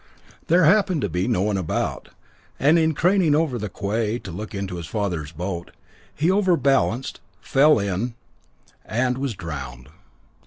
There happened to be no one about, and in craning over the quay to look into his father's boat, he overbalanced, fell in, and was drowned.